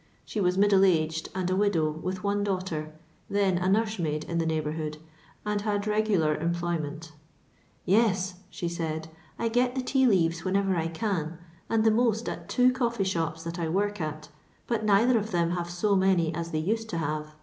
She was middle aged, and a widow, with one daughter, then a nursemaid in the neigh bourhood, and had regular employment " Tes/' she said, *' I get the tea leaves when ever I can, and the most at two coffee shops that I work at, but neither of them have so many as they used to have.